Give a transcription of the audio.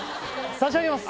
差し上げます！